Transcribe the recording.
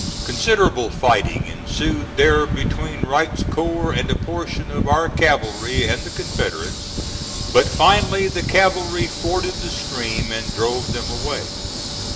Considerable fighting ensued there between Wright's corps and a portion of our cavalry and the Confederates, but finally the cavalry forded the stream and drove them away.